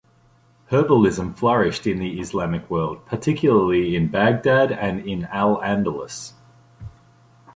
Herbalism flourished in the Islamic world, particularly in Baghdad and in Al-Andalus.